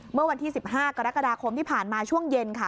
เมื่อวันที่๑๕กรกฎาคมที่ผ่านมาช่วงเย็นค่ะ